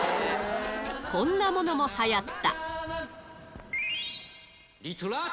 こんなものもはやった。